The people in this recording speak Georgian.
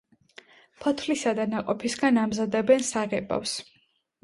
ფოთლისა და ნაყოფისგან ამზადებენ საღებავს.